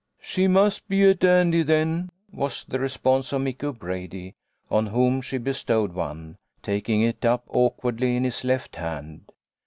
" She must be a dandy, then," was the response of Micky O'Brady, on whom she bestowed one, taking it up awkwardly in his left hand.